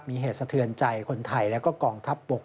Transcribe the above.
มีเหตุสะเทือนใจคนไทยแล้วก็กองทัพบก